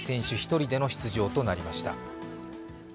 １人での出場となりました。